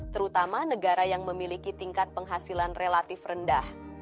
terutama negara yang memiliki tingkat penghasilan relatif rendah